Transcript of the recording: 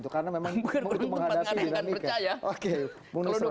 karena memang menghadapi dinamika